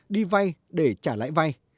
đi vay để trả lãi vay